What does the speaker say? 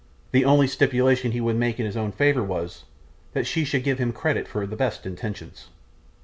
The only stipulation he would make in his own favour was, that she should give him credit for the best intentions.